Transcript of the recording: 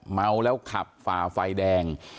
เมาแล้วขับฝ่าไฟแดง